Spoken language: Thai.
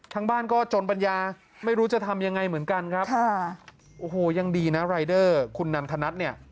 ทั้งบ้านก็จนปัญญาไม่รู้จะทำยังไงเหมือนกันครับค่ะโอ้โหยังดีนะรายเดอร์คุณนันทนัทเนี่ย